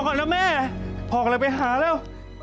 แม่รอก่อนนะแม่พอกันเลยไปหาแล้ว